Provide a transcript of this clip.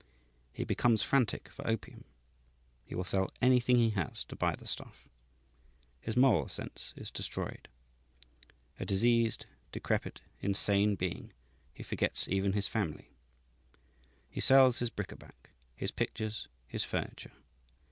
He becomes frantic for opium. He will sell anything he has to buy the stuff. His moral sense is destroyed. A diseased, decrepit, insane being, he forgets even his family. He sells his bric a brac, his pictures, his furniture.